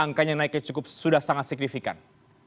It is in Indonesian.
angkanya naiknya cukup sudah sangat signifikan